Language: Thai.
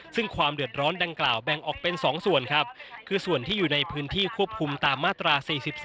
ซึ่งความเดือดร้อนดังกล่าวแบ่งออกเป็น๒ส่วนครับคือส่วนที่อยู่ในพื้นที่ควบคุมตามมาตรา๔๔